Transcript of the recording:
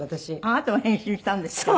あなたも変身したんですか？